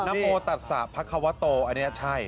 นัมโมตัสสะพักฮวะโตอันนี้ใช่